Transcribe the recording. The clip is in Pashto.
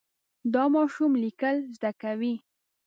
دا ماشوم لیکل زده کوي.